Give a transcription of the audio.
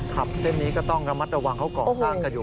เส้นนี้ก็ต้องระมัดระวังเขาก่อสร้างกันอยู่